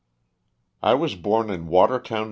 T WAS born in Watertown, N.